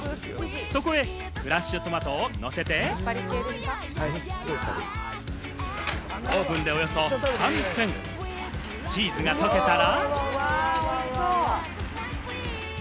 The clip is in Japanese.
そこへフレッシュトマトをのせて、オーブンでおよそ３分、チーズが溶けたら。